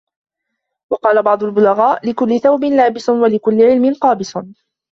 وَقَالَ بَعْضُ الْبُلَغَاءِ لِكُلِّ ثَوْبٍ لَابِسٌ ، وَلِكُلِّ عِلْمٍ قَابِسٌ